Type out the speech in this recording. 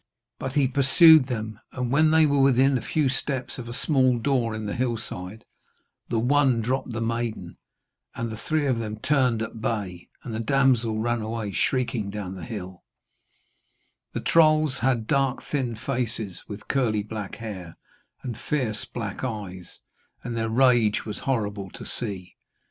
But he pursued them, and when they were within a few steps of a small door in the hillside, the one dropped the maiden, and the three of them turned at bay. And the damsel ran shrieking away down the hill. The trolls had dark thin faces, with curly black hair and fierce black eyes, and their rage was horrible to see.